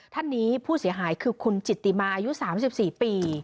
ท่านนี้ผู้เสียหายคือคุณจิตติมาอายุ๓๔ปี